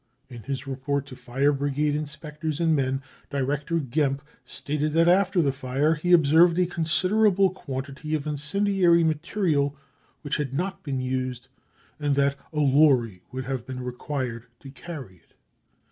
In his report to fire brigade inspectors and men, Director Gcmpp stated that after the fire he observed a considerable quantity of incendiary material which had not been used and that a lorry would have been required to carry it!